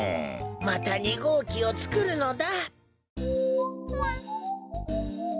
また２ごうきをつくるのだ。